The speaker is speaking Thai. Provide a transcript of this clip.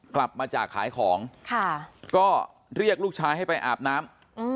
กลับมาจากขายของก็เรียกลูกชายให้ไปอาบน้ำ